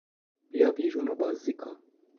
بیا بیرون و بازی کن.